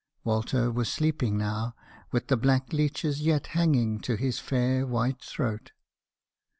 Walter was sleeping now, with the black leeches yet hanging to his fair, white throat.